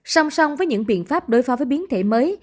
song song với những biện pháp đối phó với biến thể mới